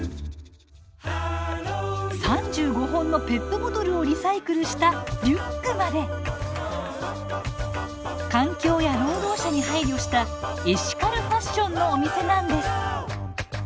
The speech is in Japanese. ３５本のペットボトルをリサイクルしたリュックまで環境や労働者に配慮したエシカルファッションのお店なんです。